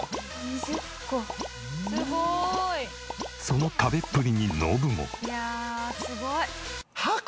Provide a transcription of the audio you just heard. その食べっぷりにノブも。